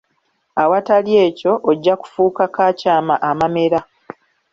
Awatali ekyo, ojja kufuuka, kaakyama amamera!